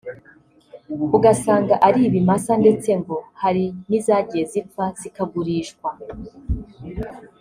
ugasanga ari ibimasa ndetse ngo hari n’izagiye zipfa zikagurishwa